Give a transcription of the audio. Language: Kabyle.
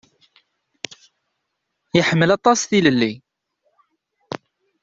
Yeḥmmel aṭas tilelli.